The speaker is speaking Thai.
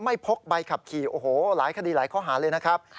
พกใบขับขี่โอ้โหหลายคดีหลายข้อหาเลยนะครับ